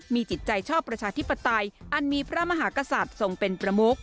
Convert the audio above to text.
มีจิตใจชอบประชาธิปไตยอันมีพระมหากษัตริย์ทรงเป็นประมุก